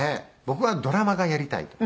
僕はドラマがやりたいと。